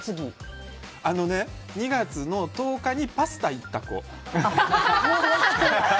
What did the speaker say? ２月の１０日にパスタ行った子。